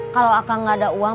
kalo aku gak ada uang